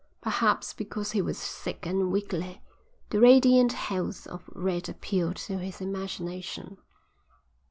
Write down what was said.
Perhaps because he was sick and weakly, the radiant health of Red appealed to his imagination.